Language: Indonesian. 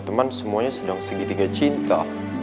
teman semuanya sedang segitiga cinta